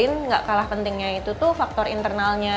kita pelajari gak kalah pentingnya itu tuh faktor internalnya